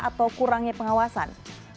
atau kurangnya pengawasan